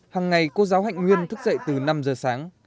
hằng ngày cô giáo hạnh nguyên thức dậy từ năm giờ sáng